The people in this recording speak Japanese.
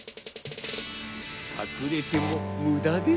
かくれてもむだですよ。